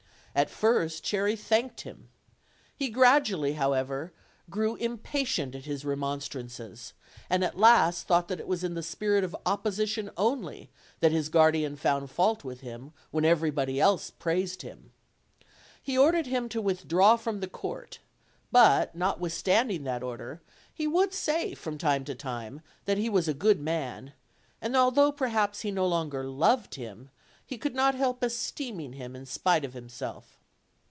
At first Cherry thanked him; he gradually, however, grew impatient at 326 OLD, OLD FAIRY TALES. his remonstrances; and at last thought that it was in the spirit of opposition only that his guardian found fault with him when everybody else praised him. He ordered him to withdraw from the court; but, notwithstanding that order, he would say from time to time that he was a good man; and although perhaps he no longer loved him, he could not help esteeming him in spite of him self.